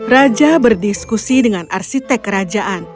raja berdiskusi dengan arsitek kerajaan